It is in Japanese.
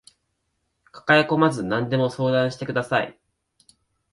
抱えこまず何でも相談してください